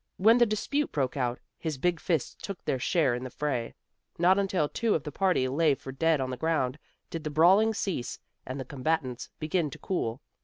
When the dispute broke out, his big fists took their share in the fray. Not until two of the party lay for dead on the ground, did the brawling cease and the combatants begin to cool.